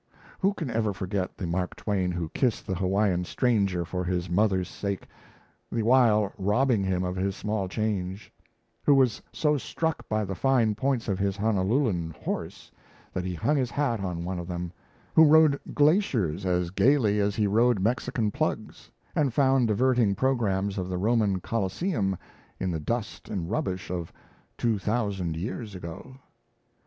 Who can ever forget the Mark Twain who kissed the Hawaiian stranger for his mother's sake, the while robbing him of his small change; who was so struck by the fine points of his Honolulan horse that he hung his hat on one of them; who rode glaciers as gaily as he rode Mexican plugs, and found diverting programmes of the Roman Coliseum, in the dust and rubbish of two thousand years ago!